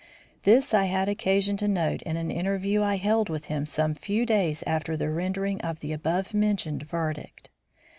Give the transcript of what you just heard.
This I had occasion to note in an interview I held with him some few days after the rendering of the abovementioned verdict.